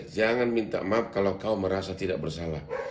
jangan minta maaf kalau kau merasa tidak bersalah